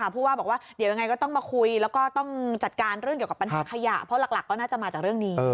เพราะหลักก็น่าจะมาจากเรื่องนี้